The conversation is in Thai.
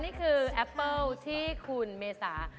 นี่คือแอปเปิ้ลที่คุณเมษา